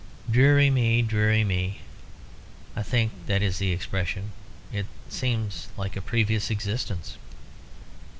Deary me, deary me! (I think that is the expression) it seems like a previous existence."